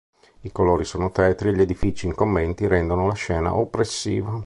I colori sono tetri e gli edifici incombenti rendono la scena oppressiva.